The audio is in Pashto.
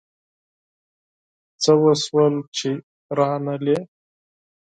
څه وشول چي رانغلې ؟